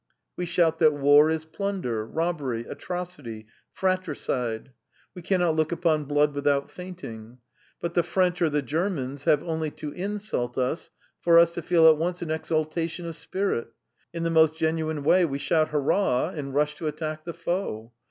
We shout that war is plunder, robbery, atrocity, fratricide; we cannot look upon blood without fainting; but the French or the Germans have only to insult us for us to feel at once an exaltation of spirit; in the most genuine way we shout 'Hurrah!' and rush to attack the foe.